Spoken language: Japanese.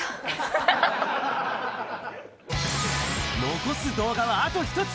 残す動画はあと１つ。